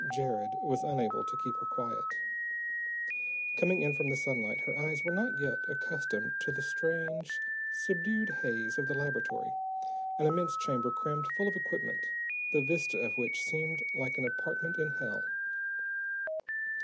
_" Jared was unable to keep her quiet. Coming in from the sunlight, her eyes were not yet accustomed to the strange, subdued haze of the laboratory, an immense chamber crammed full of equipment, the vista of which seemed like an apartment in hell.